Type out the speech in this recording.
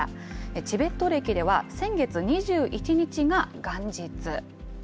チベット暦では、先月２１日が元日。